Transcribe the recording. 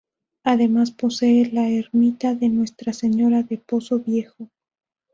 Además posee la ermita de Nuestra Señora del Pozo Viejo.